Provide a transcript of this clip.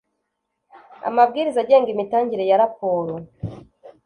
amabwiriza agenga imitangire ya raporo